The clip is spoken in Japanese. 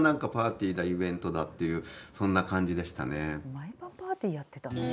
毎晩パーティーやってたの？